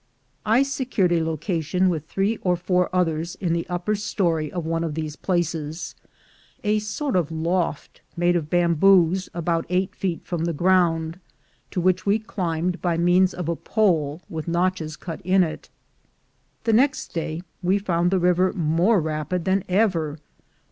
I secured a location with three or four others in the upper story of one of these places — a sort of loft made of bamboos about eight feet from the ground, to which we climbed by means of a pole with notches cut in it. The next day we found the river more rapid than ever.